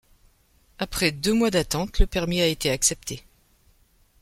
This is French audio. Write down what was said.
Après deux mois d'attente, le permis à été accepté